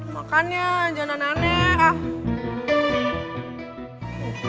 makannya jangan aneh aneh ah